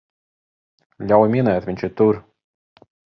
Ļauj minēt, viņš ir tur?